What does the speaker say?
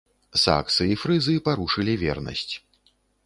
Саксы і фрызы парушылі вернасць.